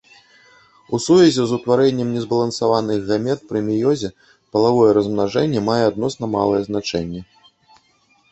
У сувязі з утварэннем незбалансаваных гамет пры меёзе, палавое размнажэнне мае адносна малое значэнне.